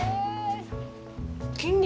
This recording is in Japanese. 筋肉？